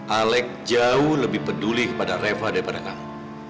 alec jauh lebih peduli kepada reva daripada kamu